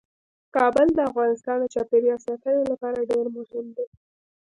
کابل د افغانستان د چاپیریال ساتنې لپاره ډیر مهم دی.